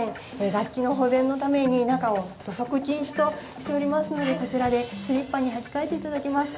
楽器の保全のために中を土足禁止としておりますのでこちらでスリッパに履き替えて頂けますか？